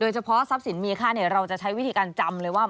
เฉพาะทรัพย์สินมีค่าเราจะใช้วิธีการจำเลยว่า